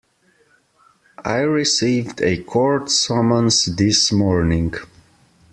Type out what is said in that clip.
I received a court summons this morning.